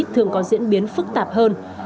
thường còn diễn biến phức tạp hơn